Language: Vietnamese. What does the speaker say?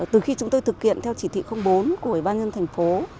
từ khi chúng tôi thực hiện theo chỉ thị bốn của ủy ban nhân thành phố